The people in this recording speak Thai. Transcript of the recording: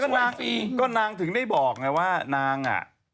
กลางปีก็นางถึงได้บอกไงว่านางอ่ะ